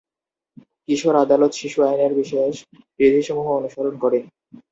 কিশোর আদালত শিশু আইনের বিশেষ বিধিসমূহ অনুসরণ করে।